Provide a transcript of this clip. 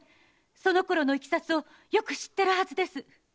そのころのいきさつをよく知ってるはずです。